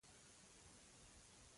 داسې سياسي تشکيلات نه لرو.